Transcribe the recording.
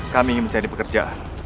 kami ingin mencari pekerjaan